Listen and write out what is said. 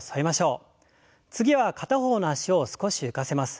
次は片方の脚を少し浮かせます。